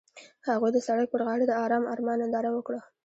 هغوی د سړک پر غاړه د آرام آرمان ننداره وکړه.